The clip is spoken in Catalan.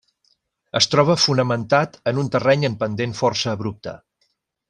Es troba fonamentat en un terreny en pendent força abrupte.